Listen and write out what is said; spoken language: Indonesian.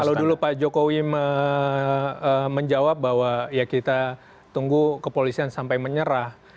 kalau dulu pak jokowi menjawab bahwa ya kita tunggu kepolisian sampai menyerah